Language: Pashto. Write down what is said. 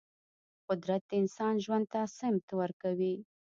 قدرت د انسان ژوند ته سمت ورکوي.